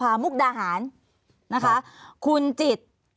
ภารกิจสรรค์ภารกิจสรรค์